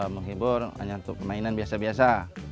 menghibur hanya untuk mainan biasa biasa